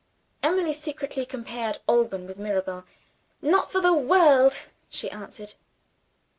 Emily secretly compared Alban with Mirabel. "Not for the world!" she answered.